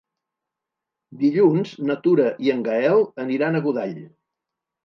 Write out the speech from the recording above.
Dilluns na Tura i en Gaël aniran a Godall.